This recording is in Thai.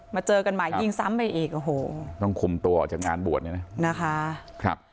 เจอกันใหม่ยิงซ้ำไปอีกโอ้โหต้องคุมตัวออกจากงานบวชเนี่ยนะนะคะครับ